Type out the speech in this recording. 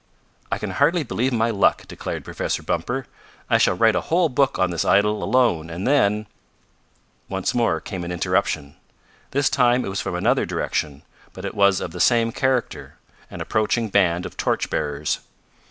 "I can hardly believe my good luck," declared Professor Bumper. "I shall write a whole book on this idol alone and then " Once more came an interruption. This time it was from another direction, but it was of the same character an approaching band of torch bearers.